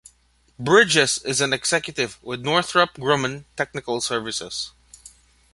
Bridges is an executive with Northrop Grumman Technical Services.